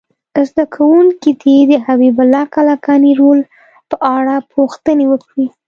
زده کوونکي دې د حبیب الله کلکاني رول په اړه پوښتنې وکړي.